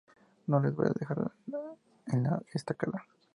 No les voy a dejar en la estacada".